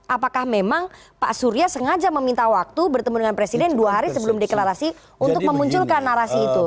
apakah memang pak surya sengaja meminta waktu bertemu dengan presiden dua hari sebelum deklarasi untuk memunculkan narasi itu